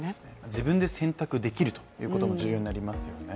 自分で選択できるということも重要になりますよね。